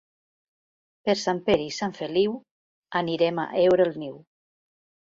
Per Sant Pere i Sant Feliu anirem a heure el niu.